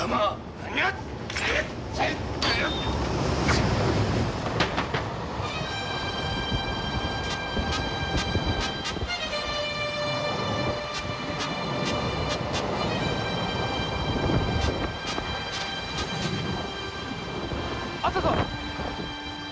何奴⁉あったぞ！